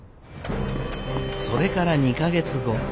それから２か月後。